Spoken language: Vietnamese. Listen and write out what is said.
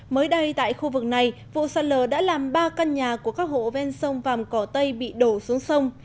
mới đây tại khu vực này vụ sạt lở đã làm ba căn nhà của các hộ ven sông vàm cỏ tây bị đổ xuống sông